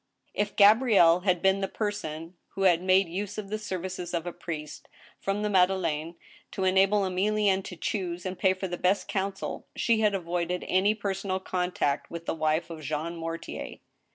If Gabrielle had been the person who had made use of the serv ices of a priest from the Madeleine, to enable Emilienne to choose and pay for the best counsel, she had avoided any personal contact with the wife of Jean Mortier.